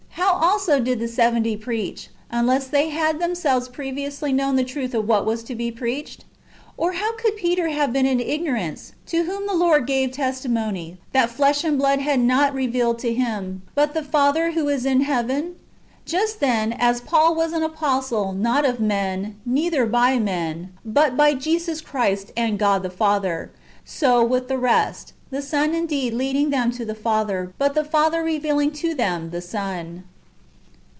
How also did the seventy preach, unless they had themselves previously known the truth of what was preached? Or how could Peter have been in ignorance, to whom the Lord gave testimony, that flesh and blood had not revealed to him, but the Father, who is in heaven ?^ Just, then, as " Paul [was] an apostle, not of men, neither by man, but by Jesus Christ, and God the Father,"^ [so with the rest;]"" the Son indeed leading them to the Father, but the Father revealino' to them the Son.